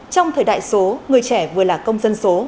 trong thời đại số người trẻ vừa là công dân số